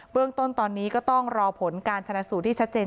เรื่องต้นตอนนี้ก็ต้องรอผลการชนะสูตรที่ชัดเจน